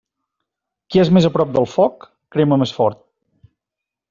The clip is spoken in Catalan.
Qui és més a prop del foc, crema més fort.